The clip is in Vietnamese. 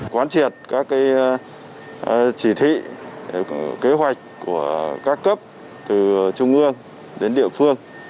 quán triệt các chỉ thị kế hoạch của các cấp từ trung ương đến địa phương